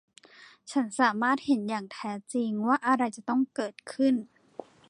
ฉันสามารถเห็นอย่างแท้จริงว่าอะไรจะต้องเกิดขึ้น